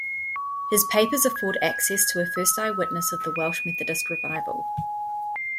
His papers afford access to a first eye witness of the Welsh Methodist revival.